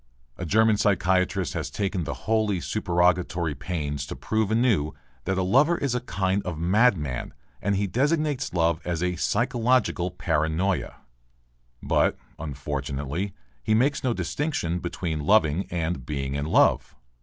A German psychiatrist has taken the wholly supererogatory pains to prove anew that a lover is a kind of madman and he designates love as "physiological paranoia." But, unfortunately, he makes no distinction between loving and being in love.